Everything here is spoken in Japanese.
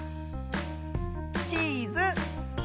チーズ。